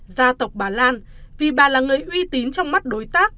gia tộc bà lan vì bà là người uy tín trong mắt đối tác